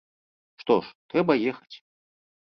Што ж, трэба ехаць.